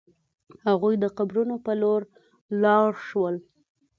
هغوی د قبرونو په لور لاړ شول.